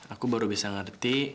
aku baru bisa ngerti